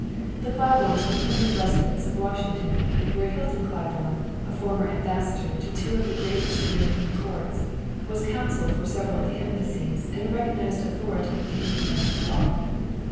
The Claibornes were permanent residents of Washington, where Hilton Claiborne, a former ambassador to two of the greatest European courts, was counsel for several of the embassies and a recognized authority in international law.